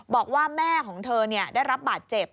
บอกว่าแม่ของเธอได้รับบาดเจ็บ